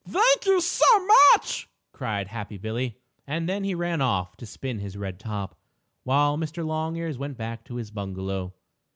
Thank you so much!" cried happy Billie, and then he ran off to spin his red top, while Mr. Longears went back to his bungalow.